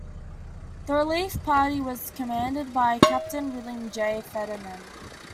The relief party was commanded by Captain William J. Fetterman.